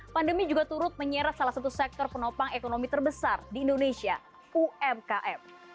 pandemi juga turut menyeret salah satu sektor penopang ekonomi terbesar di indonesia umkm